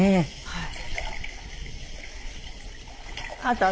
はい。